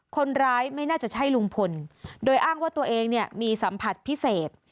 คนร้ายไม่น่าจะใช่ลุงพลโดยอ้างว่าตัวเองเนี่ยมีสัมผัสพิเศษ